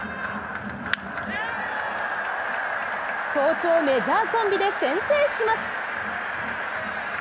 好調・メジャーコンビで先制します。